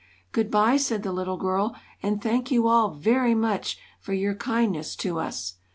"Good bye," said the little girl, "and thank you all, very much, for your kindness to us."